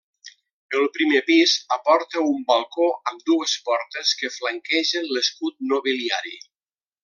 El primer pis aporta un balcó amb dues portes que flanquegen l'escut nobiliari.